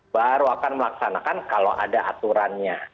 baru akan melaksanakan kalau ada aturannya